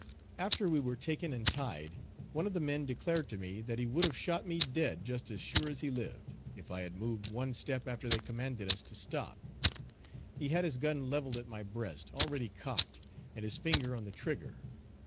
After we were taken and tied, one of the men declared to me that he would have shot me dead just as sure as he lived, if I had moved one step after they commanded us to stop. He had his gun levelled at my breast, already cocked, and his finger on the trigger.